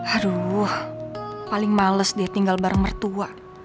aduh paling males dia tinggal bareng mertua